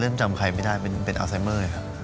จำใครไม่ได้เป็นอัลไซเมอร์ครับ